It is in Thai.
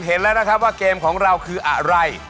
เห็นแล้วนะครับว่าเกมของเราคืออะไร